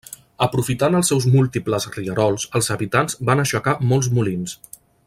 Aprofitant els seus múltiples rierols, els habitants van aixecar molts molins.